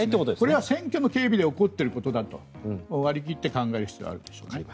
これは選挙の警備で起こっていることだと割り切って考える必要があるでしょうね。